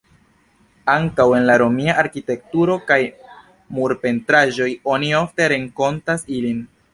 Ankaŭ en la romia arkitekturo kaj murpentraĵoj oni ofte renkontas ilin.